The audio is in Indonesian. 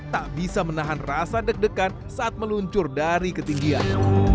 tak bisa menahan rasa deg degan saat meluncur dari ketinggian